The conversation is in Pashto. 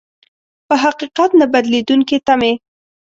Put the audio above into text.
په حقيقت نه بدلېدونکې تمې.